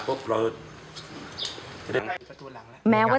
เพราะว่า